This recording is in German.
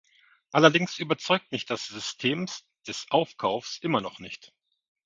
Allerdings überzeugt mich das Systems des Aufkaufs immer noch nicht.